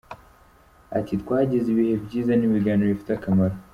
Ati “Twagize ibihe byiza n’ibiganiro bifite akamaro.